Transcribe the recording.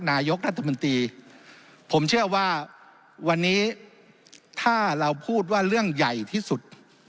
นายกรัฐมนตรีผมเชื่อว่าวันนี้ถ้าเราพูดว่าเรื่องใหญ่ที่สุด